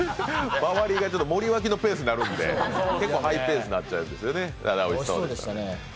周りが森脇のペースになるんで結構ハイペースになっちゃうんですよね。